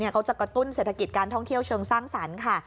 เขาจะกระตุ้นเศรษฐกิจการท่องเที่ยวเชิงสร้างสรรค์ค่ะ